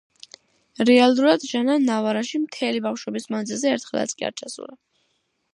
რეალურად ჟანა ნავარაში მთელი ბავშვობის მანძილზე ერთხელაც კი არ ჩასულა.